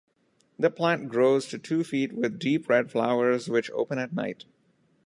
The plant grows to two feet with deep red flowers which open at night.